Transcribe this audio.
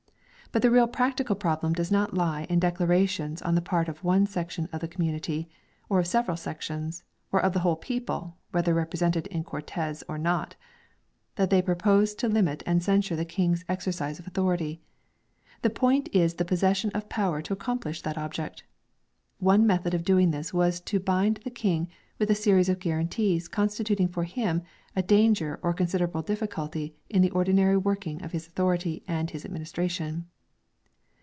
But the real practical problem does not lie in declarations on the part of one section of the community, or of several sections, or of the whole people (whether represented in Cortes or not) that they propose to limit and censure the King's exercise of authority. The point is the possession of power to accomplish that object. One method of doing this was to bind the King with a series of guarantees constituting for him a danger or a con siderable difficulty in the ordinary working of his authority and his administration.